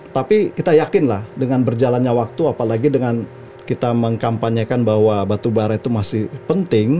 tapi kita yakinlah dengan berjalannya waktu apalagi dengan kita mengkampanyekan bahwa batubara itu masih penting